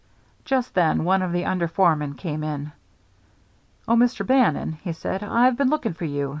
Just then one of the under foremen came in. "Oh, Mr. Bannon," he said, "I've been looking for you.